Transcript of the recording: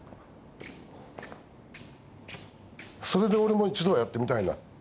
それで俺も一度はやってみたいな。